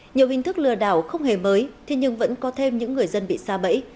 nhiều hình thức lừa đảo không hề mới thế nhưng vẫn có thêm những người dân bị xa bẫy